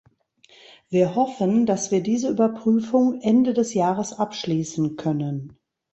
Wir hoffen, dass wir diese Überprüfung Ende des Jahres abschließen können.